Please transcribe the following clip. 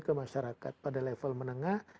ke masyarakat pada level menengah